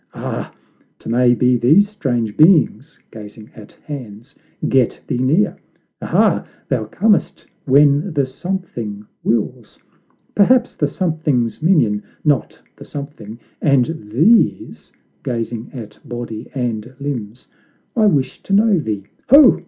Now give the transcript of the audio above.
Ah! 'trnay be these strange beings (gazing at hands) get thee near! Aha, thou comest when the Something wills, Perhaps the Something's minion, not the Something, And these (gazing at body and limbs) I wish to know thee: ho!